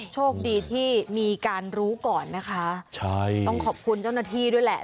โชคดีที่มีการรู้ก่อนนะคะใช่ต้องขอบคุณเจ้าหน้าที่ด้วยแหละ